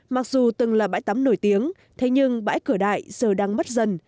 mặc dù từng là bãi tắm nổi tiếng thế nhưng bãi cửa đại giờ đang mất dần